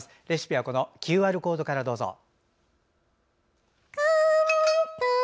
レシピはＱＲコードからどうぞ。